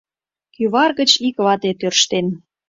— Кӱвар гыч ик вате тӧрштен.